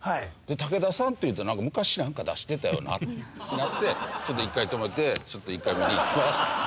武田さんっていうと昔何か出してたよな？ってなってちょっと１回止めてちょっと１回見ていきます。